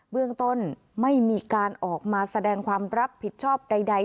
เรื่องต้นไม่มีการออกมาแสดงความรับผิดชอบใด